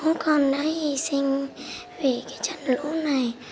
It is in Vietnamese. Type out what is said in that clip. bố con đã hy sinh vì cái trận lũ này